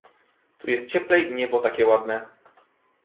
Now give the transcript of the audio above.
"Tu jest cieplej i niebo takie ładne."